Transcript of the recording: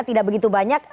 tidak begitu banyak